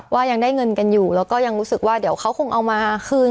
ยังได้เงินกันอยู่แล้วก็ยังรู้สึกว่าเดี๋ยวเขาคงเอามาคืน